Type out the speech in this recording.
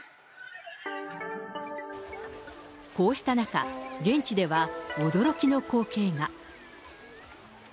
こうした中、現地では驚きの光景が。